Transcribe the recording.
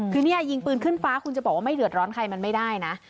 คือเนี่ยยิงปืนขึ้นฟ้าคุณจะบอกว่าไม่เดือดร้อนใครมันไม่ได้นะ